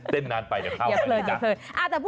เต้นนานไปเดี๋ยวข้าวไปเลยนะ